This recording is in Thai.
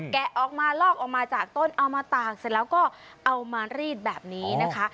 แกะออกมาลอกออกมาจากต้นเอามาตากเสร็จแล้วก็เอามารีดแบบนี้นะคะ